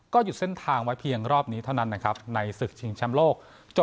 หยุดเส้นทางไว้เพียงรอบนี้เท่านั้นนะครับในศึกชิงแชมป์โลก